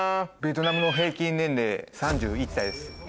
ベトナムの平均年齢３１歳です。